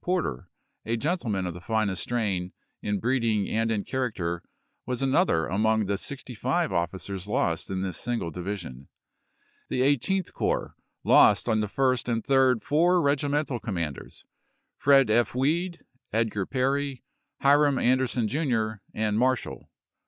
Porter, a gentleman of the finest strain, in breeding and in character, was another among the sixty five officers lost in this single division. The Eighteenth Corps lost on the 1st and 3d four regimental commanders, June, i864. Fred. F. Wead, Edgar Perry, Hiram Anderson, Jr., and Marshall.